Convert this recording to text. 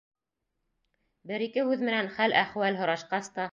Бер-ике һүҙ менән хәл-әхүәл һорашҡас та: